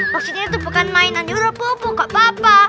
maksudnya tuh bukan mainan yoropopo kak papa